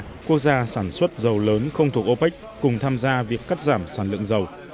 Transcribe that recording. các quốc gia sản xuất dầu lớn không thuộc opec cùng tham gia việc cắt giảm sản lượng dầu